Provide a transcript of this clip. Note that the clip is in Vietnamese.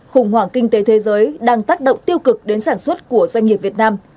khủng hoảng kinh tế thế giới đang tác động tiêu cực đến sản xuất của doanh nghiệp việt nam